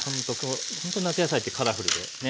ほんと夏野菜ってカラフルでね